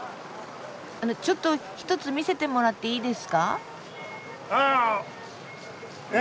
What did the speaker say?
あのちょっと１つ見せてもらっていいですか？